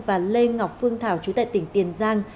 và lê ngọc phương thảo chú tại tỉnh tiền giang